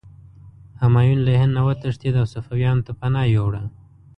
همایون له هند نه وتښتېد او صفویانو ته پناه یووړه.